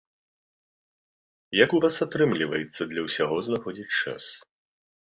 Як у вас атрымліваецца для ўсяго знаходзіць час?